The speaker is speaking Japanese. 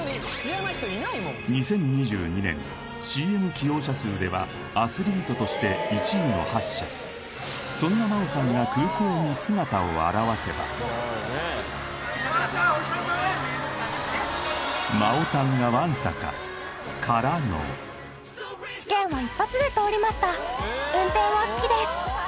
２０２２年ＣＭ起用社数ではアスリートとして１位の８社そんな真央さんがからの「試験は一発で通りました」「運転は好きです」